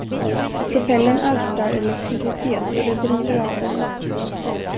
Propellern alstrar elektricitet, och det driver radion.